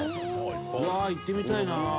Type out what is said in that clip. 「うわー行ってみたいな！」